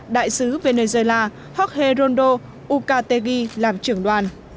đại sứ venezuela jorge rondo ucategui làm trưởng đoàn